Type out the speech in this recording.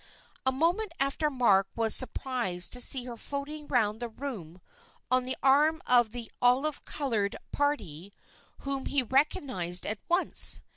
A moment afterward Mark was surprised to see her floating round the room on the arm of "the olive colored party," whom he recognized at once.